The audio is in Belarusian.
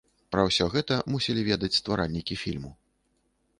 Пра ўсё гэта мусілі ведаць стваральнікі фільму.